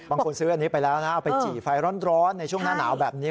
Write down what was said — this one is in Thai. ซื้ออันนี้ไปแล้วนะเอาไปจี่ไฟร้อนในช่วงหน้าหนาวแบบนี้